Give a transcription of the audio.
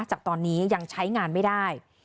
จากตอนนี้ยังใช้งานไม่ได้